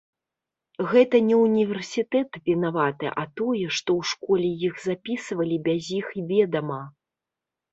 Гэта не ўніверсітэт вінаваты, а тое, што ў школе іх запісвалі без іх ведама.